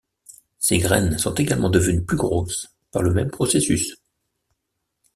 Ses graines sont également devenues plus grosses, par le même processus.